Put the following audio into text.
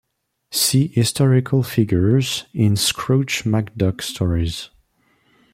"See Historical Figures in Scrooge McDuck stories".